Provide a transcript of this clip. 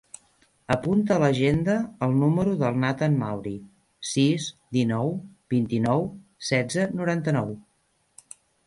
Apunta a l'agenda el número del Nathan Mauri: sis, dinou, vint-i-nou, setze, noranta-nou.